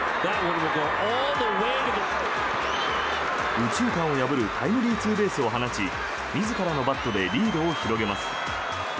右中間を破るタイムリーツーベースを放ち自らのバットでリードを広げます。